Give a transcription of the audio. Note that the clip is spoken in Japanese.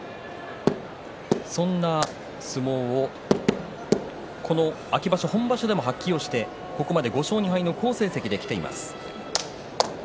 そんな相撲秋場所、本場所でも発揮してここまで５勝２敗の好成績できています。